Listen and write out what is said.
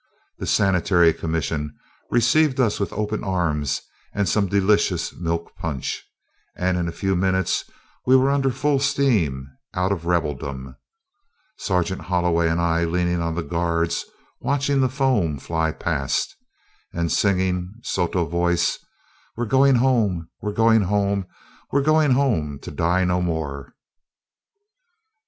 The Sanitary Commission received us with open arms and some delicious milk punch, and in a few minutes we were under full steam out of rebeldom, Sergeant Holloway and I leaning on the guards, watching the foam fly past, and singing, sotto voce, "We're going home, we're going home, we're going home to die no more!"